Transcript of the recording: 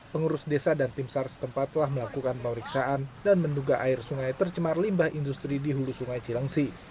pengurus desa dan tim sars tempatlah melakukan periksaan dan menduga air sungai tercemar limbah industri di hulu sungai cilengsi